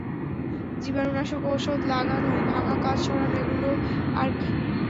জীবাণুনাশক ওষুধ লাগানো, ভাঙা কাঁচ সরানো এগুলো আর কি!